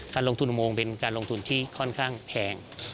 ลงทุนอุโมงเป็นการลงทุนที่ค่อนข้างแพง